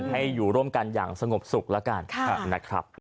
ให้อยู่ร่วมกันอย่างสงบสุขละกัน